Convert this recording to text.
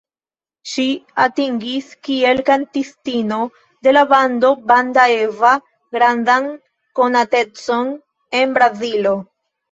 Ŝi atingis kiel kantistino de la bando "Banda Eva" grandan konatecon en Brazilo.